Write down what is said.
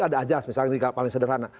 ada ajas misalnya paling sederhana